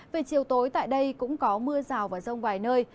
về chiều tối tại đây cũng có mưa rào và rông vài nơi